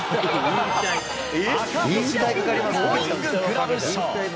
赤星のゴーインググラブ賞。